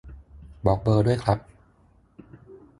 บอกเบอร์ด้วยครับ